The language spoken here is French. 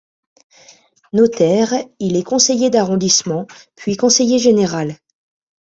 Notaire, il est conseiller d'arrondissement, puis conseiller général.